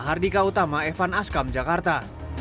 hardika utama evan askam jakarta